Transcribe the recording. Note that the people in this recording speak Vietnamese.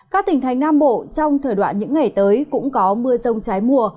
các tỉnh thành nam bộ trong thời đoạn những ngày tới cũng có mưa rông trái mùa